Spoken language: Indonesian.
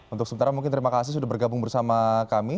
untuk sementara mungkin terima kasih sudah bergabung bersama kami